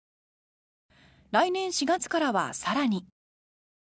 来年４月からは更に。